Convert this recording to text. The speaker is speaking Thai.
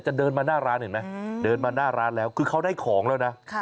เดินมาหน้าร้านเห็นไหมเดินมาหน้าร้านแล้วคือเขาได้ของแล้วนะ